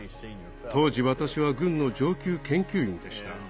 当時私は軍の上級研究員でした。